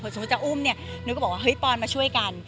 สมมุติจะอุ้มเนี่ยนุ้ยก็บอกว่าเฮ้ยปอนมาช่วยกัน